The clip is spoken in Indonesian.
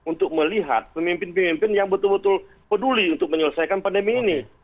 untuk melihat pemimpin pemimpin yang betul betul peduli untuk menyelesaikan pandemi ini